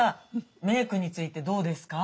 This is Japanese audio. メークについてどうですか？